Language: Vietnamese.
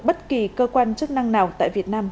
bất kỳ cơ quan chức năng nào tại việt nam